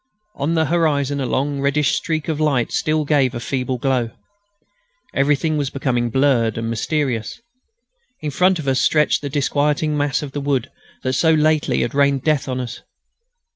On the horizon a long reddish streak of light still gave a feeble glow. Everything was becoming blurred and mysterious. In front of us stretched the disquieting mass of the wood that so lately had rained death on us.